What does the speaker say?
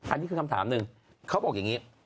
อันนี้คือคำถามหนึ่งเขาบอกอย่างนี้